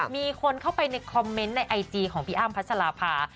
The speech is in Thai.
มีคนเข้าไปในคอมเมนต์ในไอจีของพี่อ้ำพัชราภา